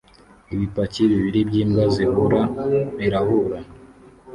Ibipaki bibiri byimbwa zihura birahura